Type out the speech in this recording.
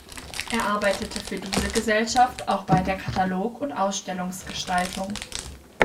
Er arbeitete für diese Gesellschaft auch bei der Katalog- und Ausstellungsgestaltung.